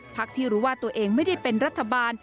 ที่รู้ว่าตัวเองไม่ได้เป็นรัฐบาล